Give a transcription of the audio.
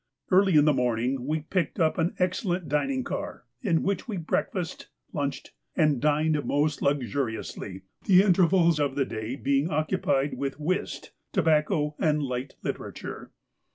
Early in the morning we picked up an excellent dining car in which we breakfasted, lunched, and dined most luxuriously, the intervals of the day being occupied with whist, tobacco, and light literature.